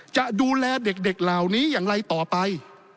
จะดูแลเด็กเหล่านี้อย่างไรต่อไป